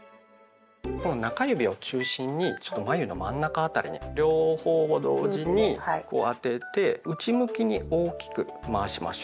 この中指を中心にちょっと眉の真ん中辺りに両方を同時にこう当てて内向きに大きく回しましょう。